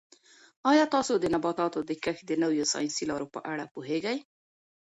آیا تاسو د نباتاتو د کښت د نویو ساینسي لارو په اړه پوهېږئ؟